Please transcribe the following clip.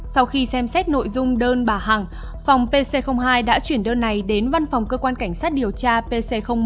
sau khi xem xét nội dung đơn bà hằng phòng pc hai đã chuyển đơn này đến văn phòng cơ quan cảnh sát điều tra pc một